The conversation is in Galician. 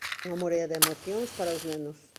Unha morea de emocións para os nenos.